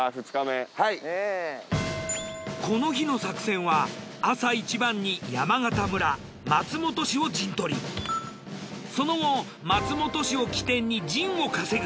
この日の作戦は朝一番に山形村松本市を陣取りその後松本市を起点に陣を稼ぐ。